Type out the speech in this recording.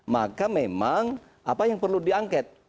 maka memang apa yang perlu diangket